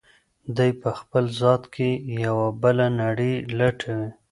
دی په خپل ذات کې یوه بله نړۍ لټوي.